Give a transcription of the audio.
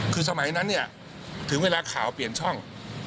คือสมัยนั้นเนี่ยถึงเวลาข่าวเปลี่ยนช่อง